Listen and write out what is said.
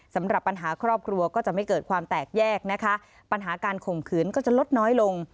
สำหรับปัญหาครอบครัวก็จะไม่เกิดความแตกแยกนะคะปัญหาการข่มขืนก็จะลดน้อยลง